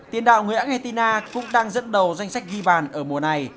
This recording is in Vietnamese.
tiền đạo người argentina cũng đang dẫn đầu danh sách ghi bàn ở mùa này